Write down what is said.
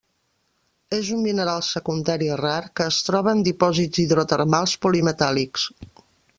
És un mineral secundari rar que es troba en dipòsits hidrotermals polimetàl·lics.